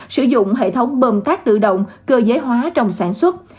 sử dụng hệ thống bơm cát tự động cơ giới hóa trong sản xuất